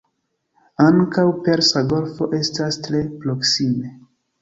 Ankaŭ Persa Golfo estas tre proksime.